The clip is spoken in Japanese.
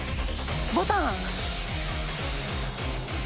ボタン。